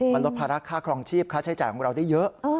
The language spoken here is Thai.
มันลดภาระค่าครองชีพค่าใช้จ่ายของเราได้เยอะ